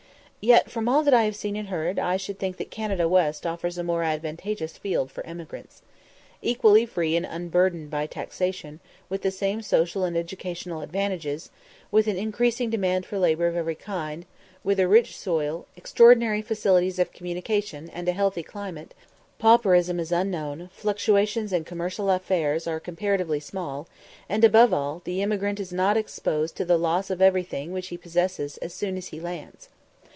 Yet, from all that I have seen and heard, I should think that Canada West offers a more advantageous field for emigrants. Equally free and unburdened by taxation, with the same social and educational advantages, with an increasing demand for labour of every kind, with a rich soil, extraordinary facilities of communication, and a healthy climate, pauperism is unknown; fluctuations in commercial affairs are comparatively small, and, above all, the emigrant is not exposed to the loss of everything which he possesses as soon as he lands.